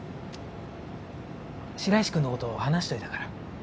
白石君のこと話しといたから。